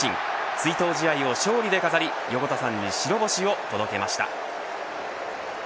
追悼試合を勝利で飾り横田さんに白星を届けました。